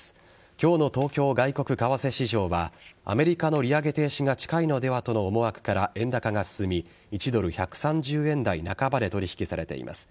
今日の東京外国為替市場はアメリカの利上げ停止が近いのではとの思惑から円高が進み１ドル１３０円台半ばで取引されています。